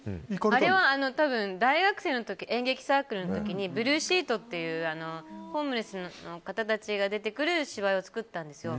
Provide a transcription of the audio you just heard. あれは大学生の時演劇サークルの時に「ブルーシート」っていうホームレスの方たちが出てくる芝居を作ったんですよ。